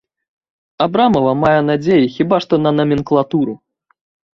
Абрамава мае надзеі хіба што на наменклатуру.